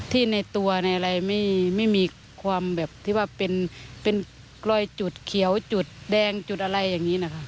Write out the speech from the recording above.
ที่ในตัวไม่มีความแบบที่ว่าเป็นรอยจุดเขียวจุดแดงจุดอะไรอย่างนี้